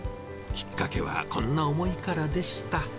きっかけは、こんな思いからでした。